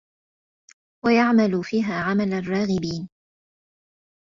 وَيَعْمَلُ فِيهَا عَمَلَ الرَّاغِبِينَ